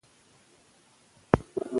دویم واده باید د محکمې په اجازه وي.